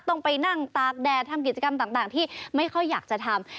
ต้องไปนั่งตากแดดทำกิจกรรมต่างที่ไม่ค่อยอยากจะทำ